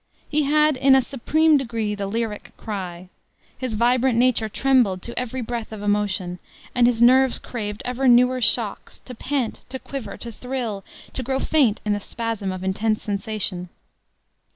He had, in a supreme degree, the "lyric cry." His vibrant nature trembled to every breath of emotion, and his nerves craved ever newer shocks; to pant, to quiver, to thrill, to grow faint in the spasm of intense sensation.